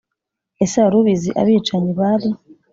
Ese wari ubizi Abicanyi bari